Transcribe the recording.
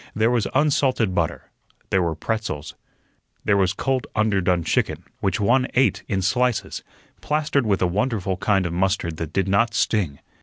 There was unsalted butter. There were pretzels. There was cold underdone chicken, which one ate in slices, plastered with a wonderful kind of mustard that did not sting.